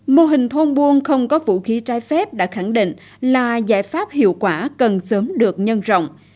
mô hình thôn buôn không có vũ khí trái phép đã khẳng định là giải pháp hiệu quả cần sớm được nhân rộng